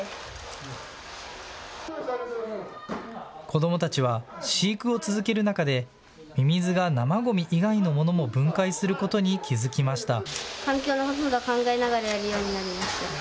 子どもたちは飼育を続ける中でミミズが生ごみ以外のものも分解することに気付きました。